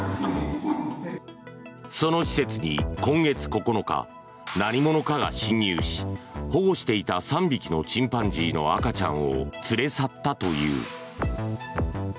その施設に今月９日、何者かが侵入し保護していた３匹のチンパンジーの赤ちゃんを連れ去ったという。